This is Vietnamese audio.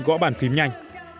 gõ bàn phím nhanh